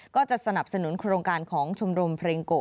ก็จะสนับสนุนโครงการของชมรมเพลงโกะ